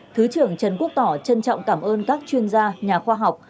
thứ trưởng trần quốc tỏ trân trọng cảm ơn các chuyên gia nhà khoa học